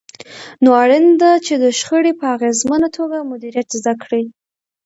نو اړينه ده چې د شخړې په اغېزمنه توګه مديريت زده کړئ.